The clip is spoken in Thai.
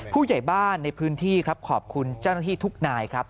ผู้ใหญ่บ้านในพื้นที่ครับขอบคุณเจ้าหน้าที่ทุกนายครับ